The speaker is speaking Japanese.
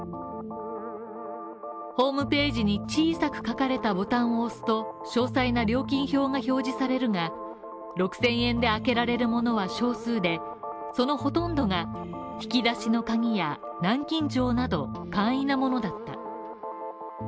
ホームページに小さく書かれたボタンを押すと詳細な料金表が表示されるが、６０００円で開けられるものは少数で、そのほとんどが引き出しの鍵や南京錠など簡易なものだった。